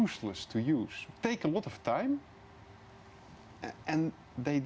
dan mereka tidak menjawab masalah itu dengan baik